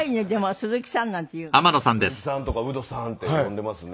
鈴木さんとかウドさんって呼んでますね。